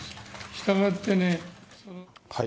したがってね。